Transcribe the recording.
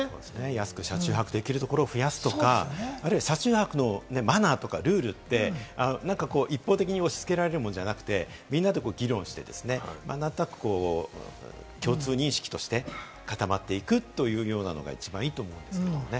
安く車中泊できるところを増やすとか、車中泊のマナーとかルールって一方的に押し付けられるものじゃなくて、みんなで議論して、共通認識として固まっていくというようなのが一番いいと思うんですよね。